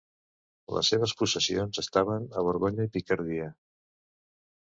Les seves possessions estaven a Borgonya i Picardia.